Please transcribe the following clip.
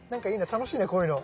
楽しいなこういうの。